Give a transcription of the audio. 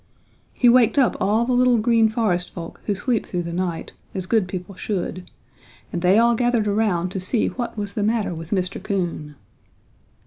He waked up all the little Green Forest folk who sleep through the night, as good people should, and they all gathered around to see what was the matter with Mr. Coon.